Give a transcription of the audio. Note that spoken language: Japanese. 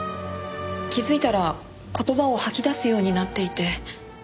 気づいたら言葉を吐き出すようになっていて。